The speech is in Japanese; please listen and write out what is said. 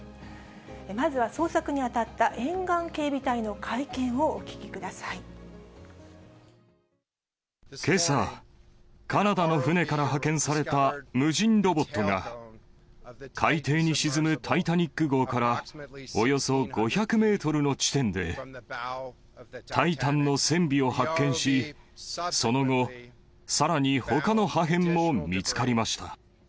まずは捜索に当たった沿岸警備隊けさ、カナダの船から派遣された無人ロボットが、海底に沈むタイタニック号からおよそ５００メートルの地点で、タイタンの船尾を発見し、その後、さらにほかの破片も見つかりました。